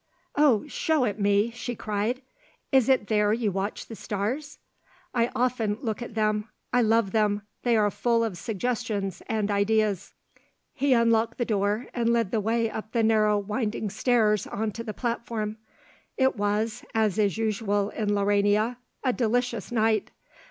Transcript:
"Oh show it me," she cried. "Is it there you watch the stars?" "I often look at them. I love them; they are full of suggestions and ideas." He unlocked the door and led the way up the narrow winding stairs on to the platform. It was, as is usual in Laurania, a delicious night.